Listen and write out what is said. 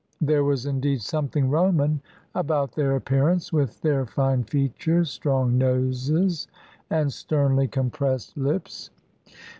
There was, indeed, something Roman about their appearance, with their fine features, strong noses, and sternly compressed lips.